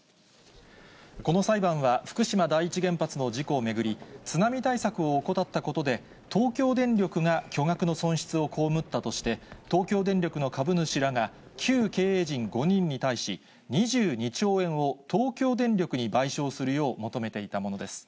この裁判は、福島第一原発の事故を巡り、津波対策を怠ったことで、東京電力が巨額の損失を被ったとして、東京電力の株主らが、旧経営陣５人に対し、２２兆円を東京電力に賠償するよう求めていたものです。